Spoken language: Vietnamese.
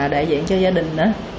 đại diện cho gia đình